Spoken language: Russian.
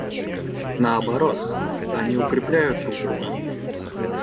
Наоборот, они укрепляют друг друга.